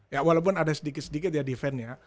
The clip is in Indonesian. ya walaupun ada sedikit sedikit ya defendnya